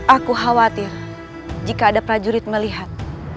aku khawatir jika ada prajurit melihat